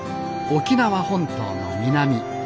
沖縄本島の南。